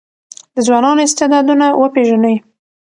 د ځوانانو استعدادونه وپېژنئ.